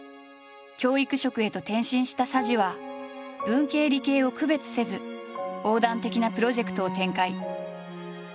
教育職へと転身した佐治は文系理系を区別せず横断的なプロジェクトを展開。